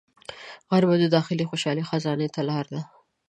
غرمه د داخلي خوشحالۍ خزانې ته لار ده